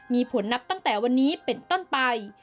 มีผลนับตั้งแต่วันนี้เป็นต้นไป